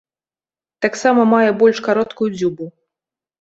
Таксама мае больш кароткую дзюбу.